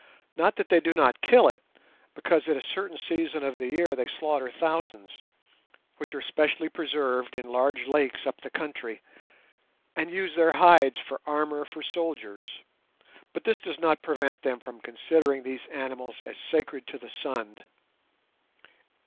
Not that they do not kill it, because at a certain season of the year they slaughter thousands—which are specially preserved in large lakes up the country—and use their hides for armour for soldiers; but this does not prevent them from considering these animals as sacred to the sun.